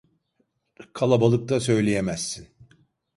Kalabalıkta söyleyemezsin.